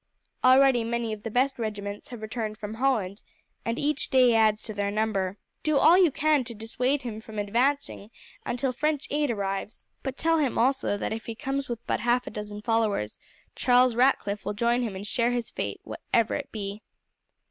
Already many of the best regiments have returned from Holland, and each day adds to their number. Do all you can to dissuade him from advancing until French aid arrives; but tell him also that if he comes with but half a dozen followers, Charles Ratcliff will join him and share his fate, whatever it be."